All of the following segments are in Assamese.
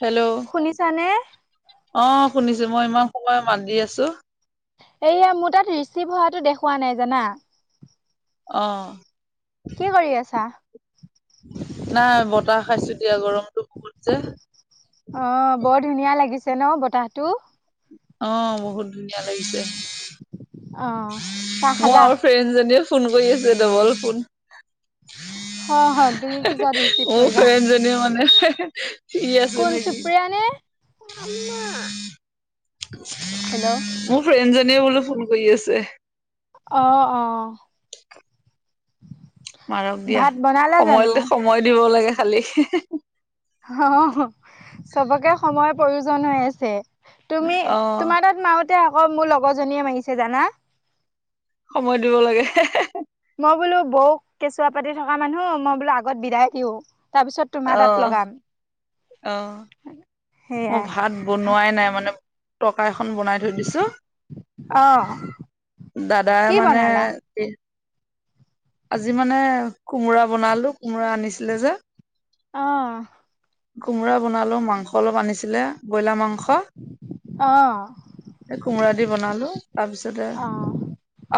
হেল্ল'। শুনিছানে? অ', শুনিছো, মই ইমান সময় মাত দি আছো। এইয়া মোৰ তাত ৰিচিভ হোৱাটো দেখুওৱা নাই জানা। অ'। কি কৰি আছা? নাই বতাহ খাইছো দিয়া, গৰমতটো বহুত যে। অ', বৰ ধুনীয়া লাগিছে ন বতাহটো? অ', বহুত ধুনীয়া লাগিছে। অ'। চাহ মোৰ খালা? আৰু ফ্ৰেণ্ডজনীয়ে ফোন কৰি আছে ডবল ফোন। [inaudible] অ', তুমি পিছত ৰিচিভ মোৰ কৰিবা, ফ্ৰেণ্ডজনীয়ে মানে ফ্ৰী আছে কোন নেকি সুপ্ৰিয়া নে? [unintelligible] হেল্ল'। মোৰ ফ্ৰেণ্ডজনীয়ে মোলে ফোন কৰি আছে। অ', অ', মাৰক দিয়া ভাত বনালা সময় জানো? [unintelligible] দিব লাগে খালি। অহ, অ', চবকে সময়ৰ প্ৰয়োজন হৈ আছে। তুমি, অ তোমাৰ তাত মাৰোতে আকৌ মোৰ লগৰ জনীয়ে মাৰিছে জানা। সময় দিব লাগে। মই বোলো বৌক কেঁচুৱা পাতি থকা মানুহ, মই বোলো আগত বিদায় দিওঁ। তাৰপিছত তোমাৰ তাত অহ, লগাম অ', মই সেয়াই, ভাত বনোৱাই নাই মানে টকা এখন বনাই থৈ দিছো, অ'। দাদাই কি মানে বনালা? [unintelligible] আজি মানে কোমোৰা বনালো, কোমোৰা আনিছিলে যে। অ'। কোমোৰা বনালো, মাংস অলপ আনিছিলে ব্ৰইলাৰ মাংস। অ', এ কোমোৰা দি বনালোঁ, তাৰপিছতে অ',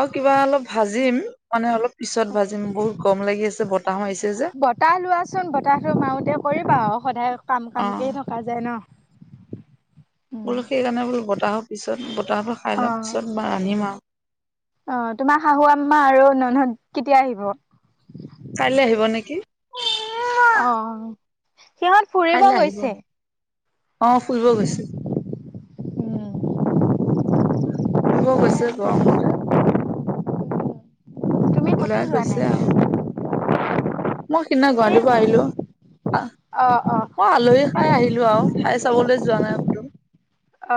আৰু কিবা অলপ ভাজিম, মানে অলপ পিছত ভাজিম, বহুত গৰম লাগি আছে বতাহ মাৰিছে যে। [unintelligible] লোৱাচোন বতাহটো মাৰোতে কৰিবা আৰু সদায় কাম অ কামকেই থ [unintelligible] যাই ন। বোলো সেইকাৰণে বোলো, বতাহৰ পিছত বতাহটো খাই লোৱা অ', পিছত [unintelligible] ৰান্ধিম আৰু। অ, তোমাৰ শাহু আম্মা আৰু ন'ন হত কেতিয়া আহিব? কাইলৈ আহিব নেকি? অ, সিহঁত ফুৰিব কাইলৈ আহিব। গৈছে। অ, ফুৰিব গৈছো। ফুৰিব গৈছে গৰমতে। তুমি ক'তো ওলাই যোৱা নাই? গৈছে আৰু। মই সেইদিনা তুমি গুৱাহাটী পৰা আহিলো। আহ', অ', অ', মই আলহী খাই আহিলো, আৰু ঠাই চাবলৈ যোৱা নাই, অ, কতো। অ,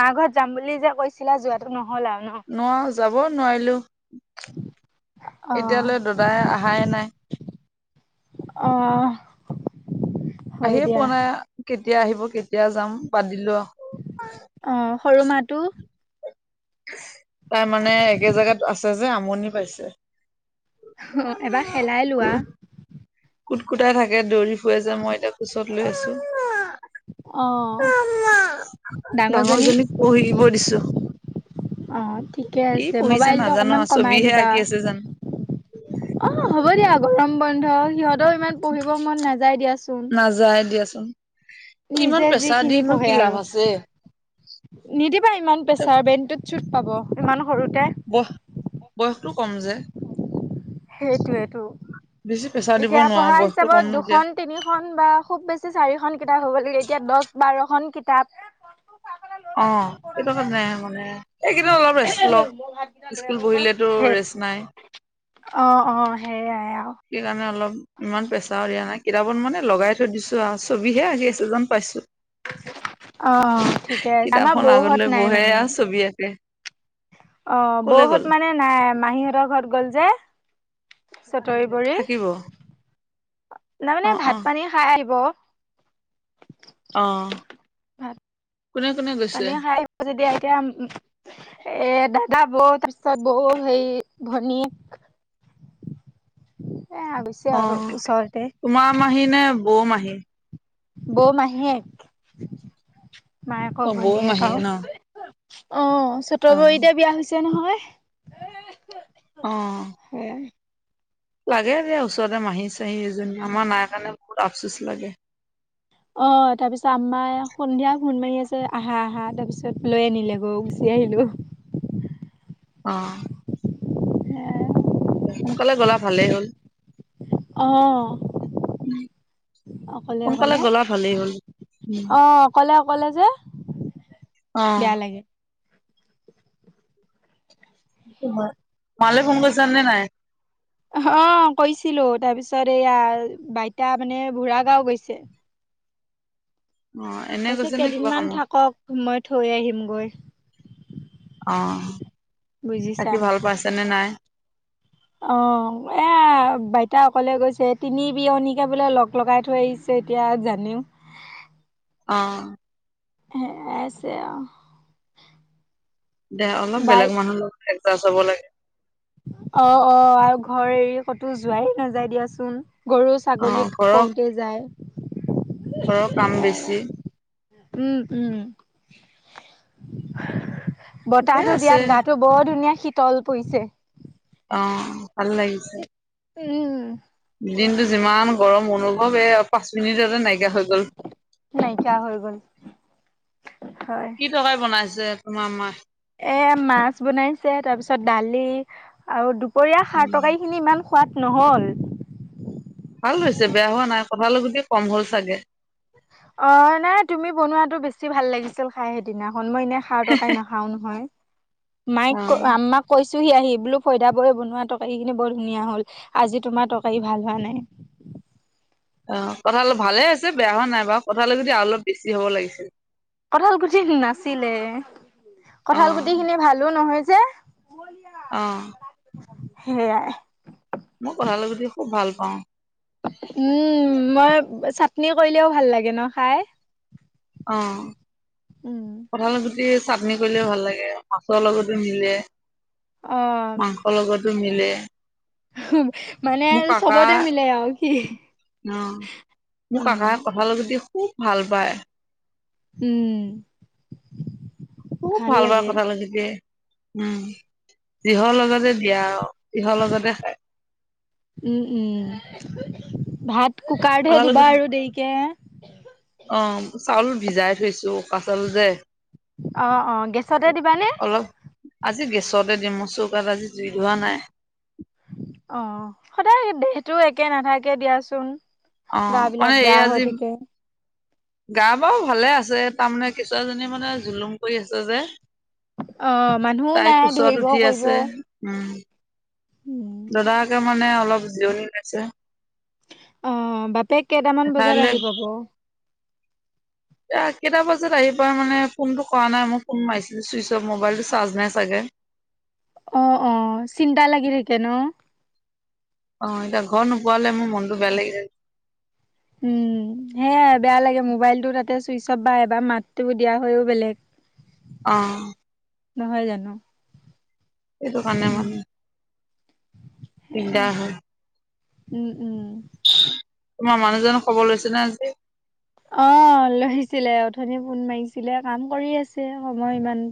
মা ঘৰত যাম বুলি যে কৈছিলা যোৱাতটো নহ'ল আৰু ন। নোৱাৰো, যাবও নোৱাৰিলো, এতিয়ালৈ দাদাই আহাই নাই। অহ, আহিয়ে পোৱা নাই কেতিয়া আহিব কেতিয়া যাম বাদ দিলো, আৰু। অ, সৰু মাটো তাই মানে একে জেগাত আছে যে, আমনি পাইছে। এবাৰ খেলাই লোৱা। কুট-কুটাই থাকে, দৌৰি ফুৰি যে মই এই কোচত লৈ আছো, অ', ডাঙৰ ডাঙৰজনী জনীক পঢ়িব দিছো। অ, ঠিকে কি আছে পঢ়িছে ম'বাইলটো নাজানো অকণমান আও কমাই ছবিহে দিবা। আঁকি আছে জানো অ, হ'ব দিয়া, গৰম বন্ধ সিহঁতেও ইমান পঢ়িব মন নাযায় দিয়াচোন। যাই দিয়াচোন, ইমান নিজে প্ৰেছাৰ যিখিনি দিনো পঢ়ে কি আৰু লাভ আছে। নিদিবা ইমান প্ৰেছাৰ বেইণটোত চুট পাব ইমান সৰুতে। বয় বয়সটো কম যে। সেইটোয়েটো বেছি প্ৰেছাৰ দিব এতিয়া নোৱাৰো পঢ়া বয়সটো হিচাপত কম এতিয়া দুখন তিনিখন বা খুব বেছি চাৰিখন কিতাপ হ'ব লাগে, এতিয়া দহ-বাৰখন কিতাপ। অ, সেইটো [inaudible] এইকিদিন অলপ ৰেষ্ট লও, স্কুল পঢ়িলেতো সেই ৰেষ্ট নাই। অ, অ, সেইয়াই আৰু। সেই কাৰণে অলপ ইমান প্ৰেছাৰ দিয়া নাই কিতাপত মানে লগাই থৈ দিছো আৰু ছবিহে আকি আছে যেন পাইছো। অ, ঠিকে আছে, আমাৰ কিতাপখন বহত আগলৈ নাই বহে মানে। [unintelligible] অ, কলে বহত গ'ল মানে নাই মাহী হঁতৰ ঘৰত গ'ল যে। চতৰি বৰি, থাকিব অ তাৰমানানে অ ভাত পানী খাই আহিব। অ, ভাত কোনে কোনে গৈছে পানী খাই যদি এতিয়া এ, দাদা বৌ, তাৰপিছত বৌ, সেই ভনীয়েক। এ, গৈছে অ আৰু ওচৰতে। তোমাৰ মাহী নে, বৌ মাহী? বৌ মাহীয়েক, মায়েক অ বৌ ভনীয়েক মাহী আৰু। ন অ, চতৱৰী দে, অ বিয়া হৈছে নহয়। অ, [inaudible] লাগে এয়া ওচৰতে মাহী-চাহী এজনী, আমাৰ নাই কাৰণে বহুত আফচোচ লাগে। অ, তাৰ পিছত আম্মাই সন্ধিয়া ফোণ মাৰি আছে, আহা আহা তাৰ পিছত লৈ আনিলে গৈ গুচি আহিলো। অ, সোনকালে গ'লা ভালেই হ'ল। অঁ অকলে সোনকালে অকলে, গ'লা ভালেই হ'ল উম অ। অকলে অকলে যে, অ বেয়া লাগে। তোমাৰ, মালে ফোন কৰিছা নে নাই? অ কৈছিলো তাৰ পিছত এইয়া বাইতা মানে বুঢ়া গাও গৈছে। অ', এনে কৈছে গৈছে নে কেইদিন কিবা মান কামত? থাকক, মই থৈ আহিম গৈ। অ, বুজিছা বাকি ভাল পাইছে নে নাই? অ এ বাইতা অকলে গৈছে তিনি বিয়নীকে বোলে লগ লগাই থৈ আহিছে। এতিয়া জানিম। অঁ এহ এ আছে আও। দে অলপ বেলেগ বাইত মানুহ লগ একচাইজ হ'ব লাগে। অ অ আৰু ঘৰ এৰি কতো যোৱাই নাযায় দিয়াচোন। গৰু, অ', ছাগলীক ঘৰৰ কওঁতে যায়। ঘৰৰ কাম সেয়াই বেছি। আৰু উম উম। ঠিকে বতাহটো আছে দিয়াত গাটো বৰ ধুনীয়া শীতল পৰিছে। অ, ভাল লাগিছে। উম। দিনতটো যিমান গৰম অনুভৱ এ পাঁচ মিনিটতে নাইকিয়া হৈ গ'ল। নাইকিয়া হৈ গল, হয়। কি তৰকাৰি বনাইছে তোমাৰ মায়ে? এ মাছ বনাইছে তাৰ পিছত দালি আৰু দুপৰীয়া সাৰ উম, তৰকাৰি খিনি ইমান- সোৱাদ নহ'ল। ভাল হৈছে বেয়া হোৱা নাই কঁঠাল গুটি কম হ'ল চাগে? অ নাই তুমি বনোৱাতো বেছি ভাল লাগিছিল খাই সেইদিনাখন মই এনেই খা টকাই নাখা- খাওঁ নহয়। মায়ক অ'। আমাক। কৈছোহি আহি বোলো ফৈয়দা বৌ বনোৱা তৰকাৰী খিনি বৰ ধুনীয়া হ'ল। আজি তোমাৰ তৰকাৰী ভাল হোৱা নাই। অ কঁঠাল ভালে আছে বেয়া হোৱা নাই বাৰু কঁঠাল গুটি আৰু অলপ বেছি হ'ব লাগিছে। কঁঠাল গুটি নাছিলে, কঁঠাল অ', গুটি খিনি ভালো নহয় যে। অঁ। সেইয়াই। মই কঁঠাল গুটি খুব ভাল পাওঁ। উম মই চাটনি কৰিলেও ভাল লাগে ন খাই? অঁ। উম। কঁঠাল গুটি চাটনি কৰিলেও ভাল লাগে মাছৰ লগতো মিলে। অঁ। অলগতো মিলে। মানে মোৰ কাকা চবতে মিলে আৰু কি, উম। কঁঠাল গুটি খুব ভাল পায়। উম। খুব ভাল পাই কঁঠাল গুটিকে। উম, যিহৰ লগতে দিয়া হক সিহৰ লগতে খাই। উম উম ভাত কুকাৰতহে কঁঠাল দিবা গুটি আৰু দেৰিকে? অ চাউল ভিজাই থৈছো পাচল যে অঁ অঁ গেছতে দিবানে অলপ আজি গেছতে দিম মো চৌকাত আজি জুই ধৱা নাই অ সদায় দেহটো একে নাথাকে দিয়াচোন অ গা বিলাক মানে এই বেয়া হৈ আজি থাকে গা বাৰু ভালে আছে তাৰমানে কিছুুৱাজনী মানে জুলুম কৰি আছে যে অ মানুহো তাই নাই কোচত ধৰিব উঠি কৰিব আছে উম উম দদায়েকে মানে অলপ জিৰণি লৈছে অ বাপেক কেইটামান বজাত এঠাইলৈ আহিব ঘ এতিয়া কেইটা বজাত আহি পাই মানে ফোনটো কৰা নাই মই ফোন মাৰিছিলো চুইচ অফ মোবাইলটো চাৰ্জ নাই চাগে অঁ অঁ চিন্তা লাগি থাকে ন অ এতিয়া ঘৰ নোপোৱালে মোৰ মনটো বেয়া লাগি থাকে উম সেয়াই বেয়া লাগে মোবাইলটো তাতে চুইচ অফ এবাৰ মাতটো দিয়া হৈও বেলেগ অ নহয় জানো এইটো কাৰনে উম মানে সেয়াই দিগদাৰ হয় উম উম তোমাৰ মানুহজনৰ খবৰ লৈছিলা আজি? অ লৈছিলে অথনিয়ে ফোন মাৰিছিলে কাম কৰি আছে সময় ইমান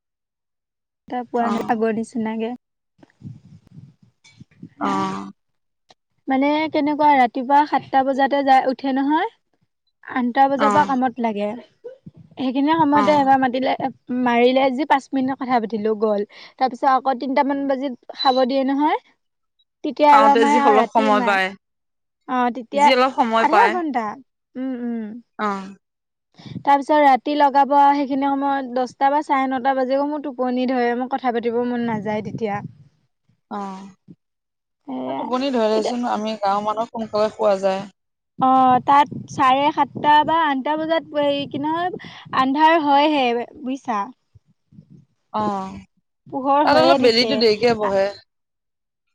তা পোৱা অ নাই আগৰ নিচিনাকে অ মানে তেনেকুৱা ৰাতিপুৱা সাতটা বজাতে যাই উঠে নহয় আঠটা অ বজাপা কামত লাগে সেইখিনি অ সময়তে এবাৰ মাতিলে মাৰিলে আজি পাঁচ মিনিটত কথা পাতিলো গ'ল তাৰ পিছত আকৌ তিনটামান বাজিত খাব দিয়ে নহয় তেতিয়া পাওঁতে এবাৰ যি মায়ে আৰু অলপ ৰাতি সময় মায়ে পায় অ তেতিয়া যি অলপ সময় আধা পায় ঘণ্টা উম উম অ তাৰ পিছত ৰাতি লগাব সেইখিনি সময়ত দশটা বা চাৰে নটা বাজে মোৰ টোপনি ধৰে মই কথ কথা পাতিব মন নাযায় তেতিয়া অ সেয়া এ টোপনি ধৰে এতিয়া দেচোন আমি গাঁওৰ মানুহক সোনকালে শুৱা যায় অ তাত চাৰে সাতটা বা আঠটা বজাত এই কি নহয় আন্ধাৰ হয়হে বুইছা অ পোহৰ তাত হৈয়ে অলপ থাকে বেলিটো দেৰিকে বহে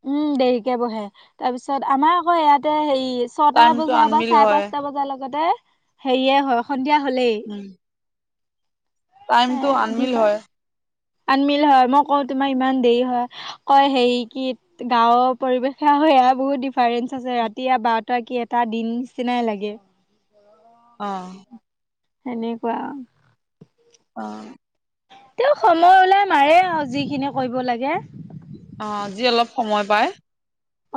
উম দেৰিকে বহে তাৰ পিছত আমাৰ আকৌ ইয়াতে হেৰি ছটা টাইমটো বজাই বা আনমিল চাৰে হয় পাঁচটা বজাৰ লগতে হেৰিয়ে হয় সন্ধিয়া হলেই উম এ টাইমটো আনমিল দিফাৰ হয় আনমিল হয় মই কওঁ তোমাৰ ইমান দেৰি হয় কয় হেৰি কি গাঁওৰ পৰিৱেশে এয়া বহুত ডিফাৰেন্ঞ্চ আছে ৰাতি আৰু বাৰটা কি এটা দিন নিচিনাই লাগে অ সেনেকুৱা অ তেওঁ সময় ওলাই মাৰে আৱ যিখিনি কৰিব লাগে অ যি অলপ সময় পাই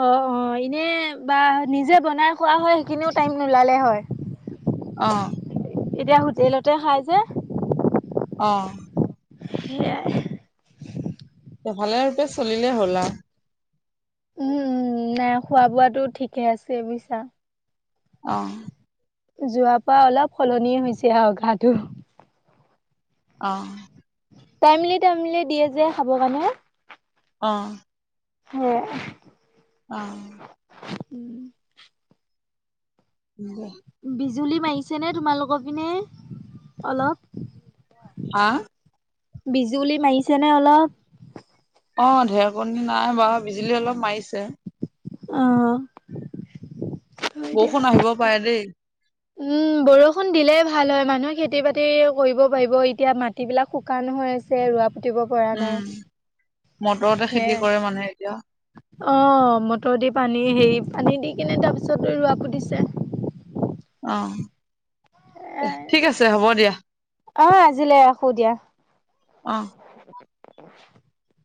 অ অ এনে বা নিজে বনাই খোৱা হয় সেইখিনিও টাইম নোলালে হয় অ এতিয়া হোটেলতে খাই যে অ সেয়াই এফালে ৰূপে চলিলে হ'ল আও উম উম নাই খোৱা বোৱাটো ঠিকহে আছে বুইছা অ যোৱাৰ পৰা অলপ সলনি হৈছে আৰু ঘাহটো অ টাইমলি টাইমলি দিয়ে যে খাবৰ কাৰণে অ সেয়ে অ উম দেহ বিজুলী মাৰিছে নে তোমালোকৰ পিনে অলপ হা বিজুলী মাৰিছে নে অলপ অ ঢেৰকণী নাই বাৰু বিজুলী অলপ মাৰিছে অ হয় দিয়া। বৰষুণ আহিব পাৰে দেই উম বৰষুণ দিলে ভাল হয় মানুহে খেতি বাতি কৰিব পাৰিব এতিয়া মাট মাটি বিলাক শুকান হৈ আছে ৰোৱা পুতিব পৰা উম নাই মটৰতে খেতি সেয়াই। কৰে মানুহে এতিয়া অ মটৰ দি পানী হেৰি পানী দি কিনে তাৰ পিছত ৰোৱা পুতিছে। অ এ ঠিক আছে হ'ব দিয়া অহ আজিলে ৰাখো দিয়া অ [inaudible]